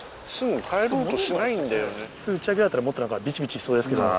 普通打ち上げられたらもっとビチビチしそうですけど。